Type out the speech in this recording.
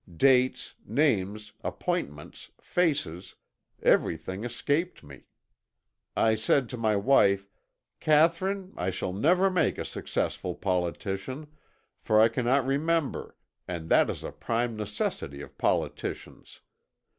Dates, names, appointments, faces everything escaped me. I said to my wife, 'Catherine, I shall never make a successful politician, for I cannot remember, and that is a prime necessity of politicians.